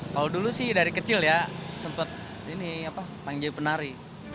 kalau dulu sih dari kecil ya sempat ini jadi penari